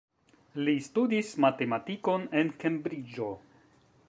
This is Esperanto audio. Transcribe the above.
Li studis matematikon en Kembriĝo.